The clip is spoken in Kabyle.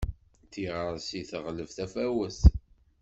Tiɣɣersi teɣleb tafawet.